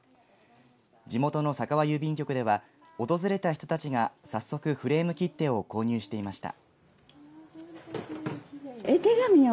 地元の佐川郵便局では訪れた人たちが早速フレーム切手を購入していました。